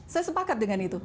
saya sepakat dengan itu